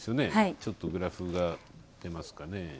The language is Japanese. ちょっとグラフが出ますかね。